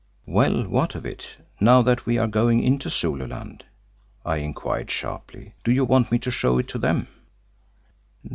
"Well, what of it, now that we are going into Zululand?" I inquired sharply. "Do you want me to show it to them?"